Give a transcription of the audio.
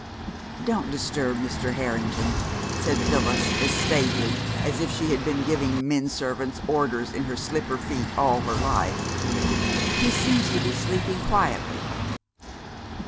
"Don't disturb Mr. Harrington," said Phyllis as staidly as if she had been giving men servants orders in her slipper feet all her life. "He seems to be sleeping quietly."